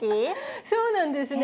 そうなんですね。